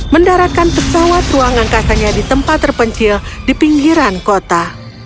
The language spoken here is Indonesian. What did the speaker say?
mendaratkan pesawat ruang angkasanya di tempat terpencil di pinggiran kota